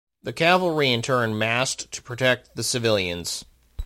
The cavalry, in turn, massed to protect the civilians.